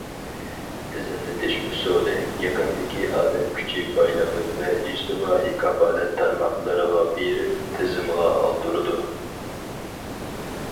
تىزىملىتىش ئۇسۇلى: يېقىندىكى ئادەم كۈچى بايلىقى ۋە ئىجتىمائىي كاپالەت تارماقلىرىغا بېرىپ تىزىمغا ئالدۇرىدۇ.